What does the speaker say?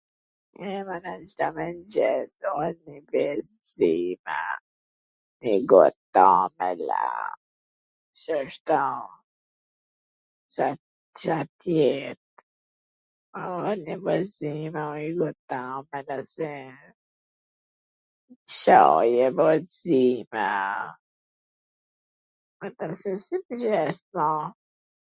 Cdo mwngjes ombwlsina, njw got tamwl a se shto Ca t jet, o nj wmbwlsin, o njw got tamwl, ase C llloj ambwlsina ... si tw gjesh ma...